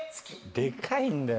でかいんだよ